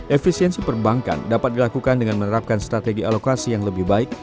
efisiensi perbankan dapat dilakukan dengan menerapkan strategi alokasi yang lebih baik